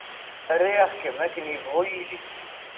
Riɣ-kem akken yebɣu yili.